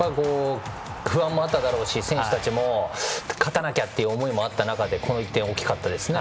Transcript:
不安もあっただろうし選手たちも勝たなきゃという思いもあった中でこの１点は大きかったですね。